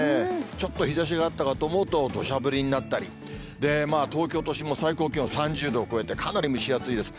ちょっと日ざしがあったかと思うと、どしゃ降りになったり、東京都心も最高気温３０度を超えて、かなり蒸し暑いです。